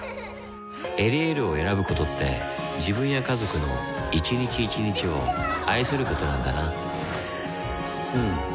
「エリエール」を選ぶことって自分や家族の一日一日を愛することなんだなうん。